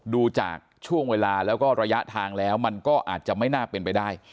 ดูจากช่วงเวลาแล้วก็ระยะทางแล้วมันก็อาจจะไม่น่าเป็นไปได้